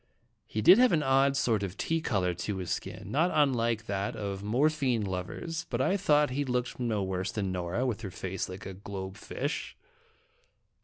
He did have an odd sort of tea color to his skin, not unlike that of morphine lovers, but I thought he looked no worse than Nora, with her face like a globe fish.